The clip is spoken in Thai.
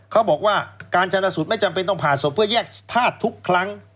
เขาบอกว่าการชนะสูตรไม่จำเป็นต้องผ่าศพเพื่อแยกธาตุทุกครั้ง